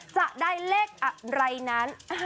จะได้เลขอะไรนั้น